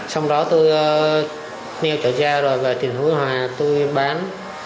xong đó tôi nêu trở ra rồi và tiền hối hòa tôi bán